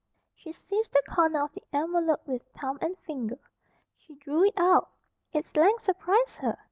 She seized the corner of the envelope with thumb and finger. She drew it out. Its length surprised her.